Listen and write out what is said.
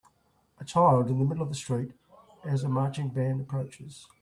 A child in the middle of the street as a marching band approaches.